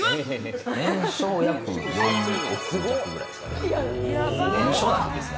年商、約４億弱くらいですかね。